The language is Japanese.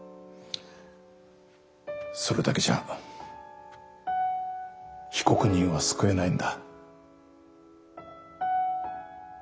それだけじゃ被告人は救えないんだ。